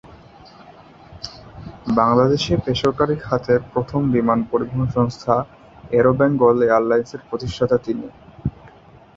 বাংলাদেশে বেসরকারি খাতের প্রথম বিমান পরিবহন সংস্থা অ্যারো বেঙ্গল এয়ারলাইন্সের প্রতিষ্ঠাতা তিনি।